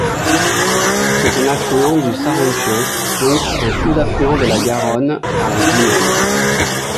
C'est un affluent du Sarrampion donc un sous-affluent de la Garonne par la Gimone.